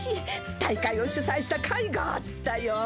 大会を主催した甲斐があったよ。